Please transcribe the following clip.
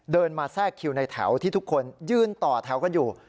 เดินมาแทรกคิวในแถวที่ทุกคนยืนต่อแถวกันอยู่